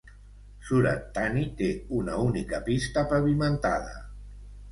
Surat Thani té una única pista pavimentada.